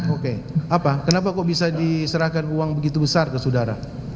oke apa kenapa kok bisa diserahkan uang begitu besar ke saudara